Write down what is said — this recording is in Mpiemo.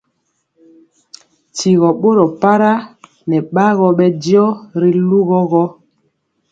Tyigɔ boro para nɛ bagɔ bɛ diɔ ri lugɔ gɔ.